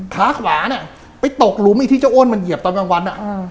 ขาขวาไปตกหลุมที่เจ้าโอ้นมันเหยียบใต้บังวัน